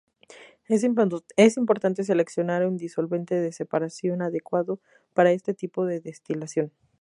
Es importante seleccionar un disolvente de separación adecuado para este tipo de destilación.